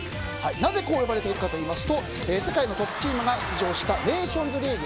なぜこう呼ばれているかというと世界のトップチームが出場したネーションズリーグ。